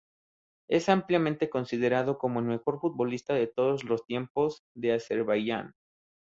Es ampliamente considerado como el mejor futbolista de todos los tiempos de Azerbaiyán.